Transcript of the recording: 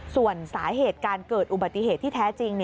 ส่วนสาเหตุการเกิดอุบัติเหตุที่แท้จริง